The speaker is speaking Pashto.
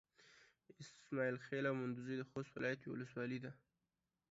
اسماعيل خېلو او مندوزي د خوست ولايت يوه ولسوالي ده.